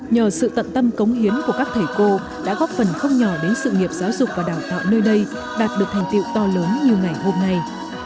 nhờ sự tận tâm cống hiến của các thầy cô đã góp phần không nhỏ đến sự nghiệp giáo dục và đào tạo nơi đây đạt được thành tiệu to lớn như ngày hôm nay